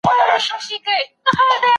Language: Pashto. زه پر خپل ځان خپله سایه ستایمه